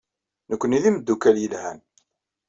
Nekkni d imeddukal yelhan.